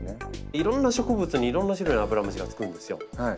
いろんな植物にいろんな種類のアブラムシがつくんですよ。